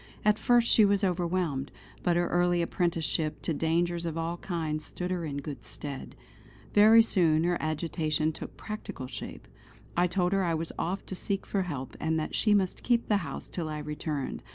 At first she was overwhelmed; but her early apprenticeship to dangers of all kinds stood her in good stead. Very soon her agitation took practical shape. I told her I was off to seek for help, and that she must keep the house till I returned.